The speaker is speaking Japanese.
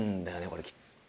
これきっと」